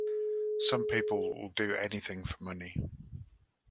Some people will do anything for money.